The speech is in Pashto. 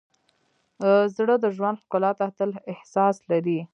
زړه د ژوند ښکلا ته تل احساس لري.